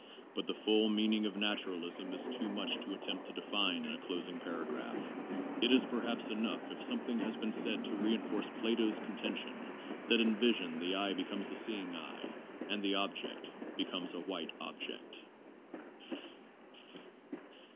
But the full meaning of naturalism is too much to attempt to define in a closing paragraph. It is per haps enough if something has been said to reinforce Plato's con tention that in vision the eye becomes a seeing eye, and the object becomes a white object.